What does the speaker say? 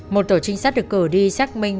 một tổ trinh sát được cử đi xác minh